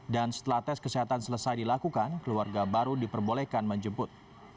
dan setelah tes kesehatan selesai dilakukan keluarga baru diperbolehkan menjemput